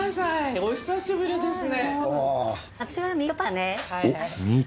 お久しぶりですね。